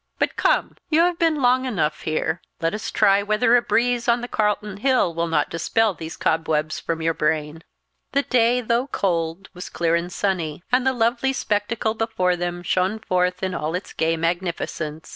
"But come, you have been long enough here. Let us try whether a breeze on the Calton Hill will not dispel these cobwebs from your brain." The day, though cold, was clear and sunny; and the lovely spectacle before them shone forth in all its gay magnificence.